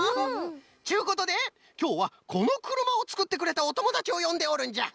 っちゅうことできょうはこのくるまをつくってくれたおともだちをよんでおるんじゃ。